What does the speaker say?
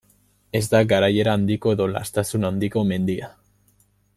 Ez da garaiera handiko edo laztasun handiko mendia.